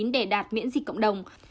để đạt miễn dịch cộng đồng